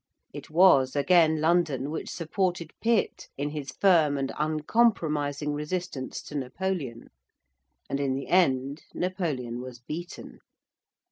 It was, again, London which supported Pitt in his firm and uncompromising resistance to Napoleon. And in the end Napoleon was beaten.